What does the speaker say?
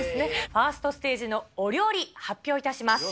ファーストステージのお料理、発表いたします。